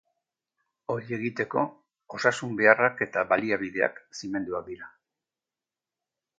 Hori egiteko, osasun beharrak eta baliabideak zimenduak dira.